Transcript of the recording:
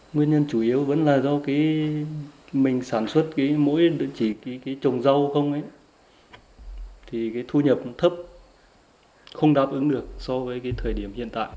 nguyên nhân chủ yếu vẫn là do mình sản xuất mỗi trồng rau không thì thu nhập thấp không đáp ứng được so với thời điểm hiện tại